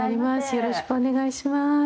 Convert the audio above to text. よろしくお願いします。